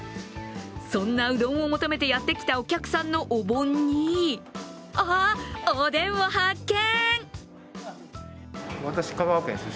そんなうどんを求めてやってきたお客さんのお盆にあ、おでんを発見。